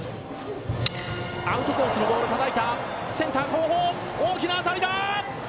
アウトコースのボールたたいた、センター後方、大きな当たりだ！